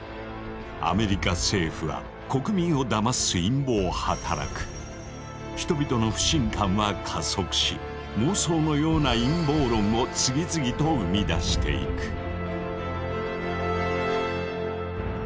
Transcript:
アメリカ政府は国民をだます陰謀を働く人々の不信感は加速し妄想のような陰謀論を次々と生み出していく。